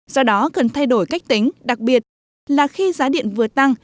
do đó cần thay đổi cách tính đặc biệt là khi giá điện vừa tăng